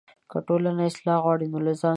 که ټولنه اصلاح غواړې، له ځانه پیل وکړه.